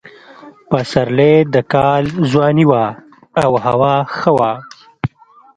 پسرلی د کال ځواني وه او هوا ښه وه.